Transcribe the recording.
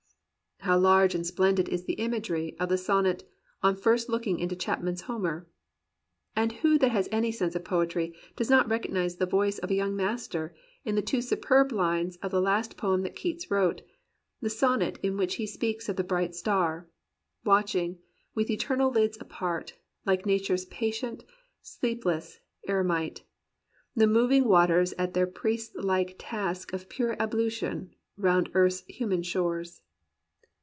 How large and splendid is the imagery of the son net "On First Looking into Chapman's Homer"! And who that has any sense of poetry does not recog nize the voice of a young master in the two superb lines of the last poem that Keats wrote .^— the son net in which he speaks of the bright star "watching, with eternal lids apart. Like Nature's patient, sleepless Eremite, 180 THE POET OF IMMORTAL YOUTH The moving waters at their priestlike task Of pure ablution round earth's human shores."